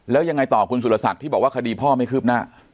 แล้วยังไงต่อคุณสุรศักดิ์ที่บอกว่าคดีพ่อไม่คืบหน้า